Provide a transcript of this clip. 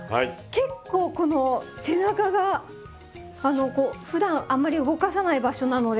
結構この背中があのこうふだんあんまり動かさない場所なので。